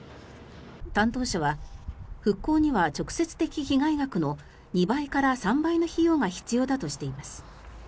担当者は、復興には直的被害額の２倍から３倍の費用が必要だとしています。